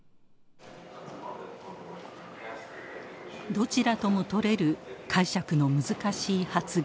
どちらとも取れる解釈の難しい発言。